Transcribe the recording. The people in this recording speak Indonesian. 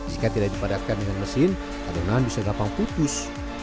jika tidak dipadatkan dengan mesin adonan bisa gampang putus